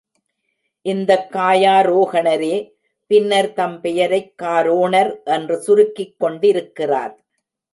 இந்தக் காயாரோகணரே பின்னர் தம் பெயரைக் காரோணர் என்று சுருக்கிக் கொண்டிருக்கிறார்.